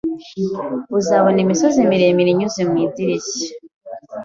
Uzabona imisozi miremire inyuze mu idirishya.